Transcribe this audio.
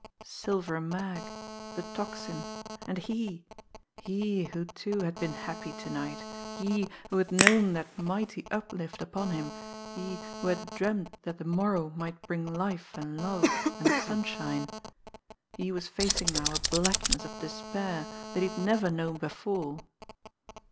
Silver Mag the Tocsin! And he he, who, too, had been happy to night, he, who had known that mighty uplift upon him, he, who had dreamed that the morrow might bring life and love and sunshine he was facing now a blackness of despair that he had never known before.